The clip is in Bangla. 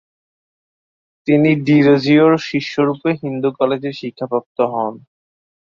তিনি ডিরোজিওর শিষ্যরূপে হিন্দু কলেজে শিক্ষাপ্রাপ্ত হন।